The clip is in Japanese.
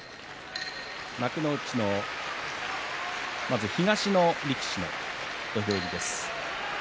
幕内の東の力士の土俵入りです。